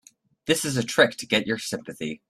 This is a trick to get your sympathy.